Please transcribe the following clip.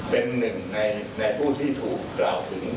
เป็นหนึ่งในผู้ที่ถูกกล่าวถึง